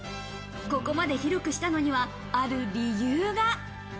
ここまで広くしたのには、ある理由が。